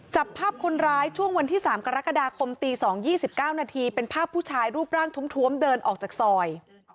จับภาพคนร้ายช่วงวันที่สามกรกฎาคมตีสองยี่สิบเก้านาทีเป็นภาพผู้ชายรูปร่างทุ่มทวมเดินออกจากซอย